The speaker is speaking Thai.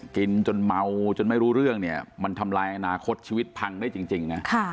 กินจนเมาจนไม่รู้เรื่องมันทำลายอนาคตชีวิตเพิ่มได้จริง